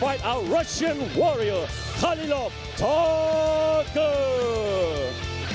รัสเชียร์รัสเชียร์รัสเชียร์คาลิลอฟทาร์เกอร์